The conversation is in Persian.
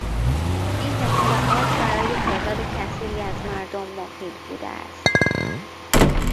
این اطلاعات برای تعداد کثیری از مردم مفید بوده است.